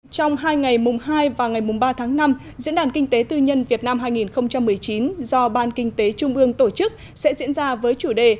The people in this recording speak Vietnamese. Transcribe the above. trong hai ngày mùng hai và ngày mùng ba tháng năm diễn đàn kinh tế tư nhân việt nam hai nghìn một mươi chín do ban kinh tế trung ương tổ chức sẽ diễn ra với chủ đề